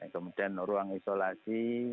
kemudian ruang isolasi